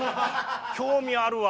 興味あるわ。